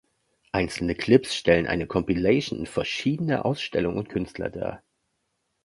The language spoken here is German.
Einzelne Clips stellen eine Kompilation verschiedener Ausstellungen und Künstler dar.